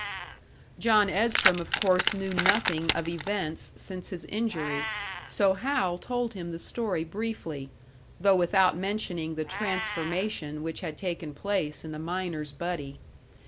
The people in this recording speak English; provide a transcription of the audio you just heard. John Edstrom of course knew nothing of events since his injury, so Hal told him the story briefly though without mentioning the transformation which had taken place in the miner's buddy.